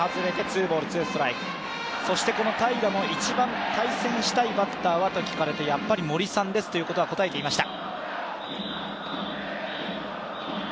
平良も一番対戦したいバッターはと聞かれて、やっぱり森さんですと答えていました。